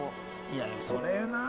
いやそれな。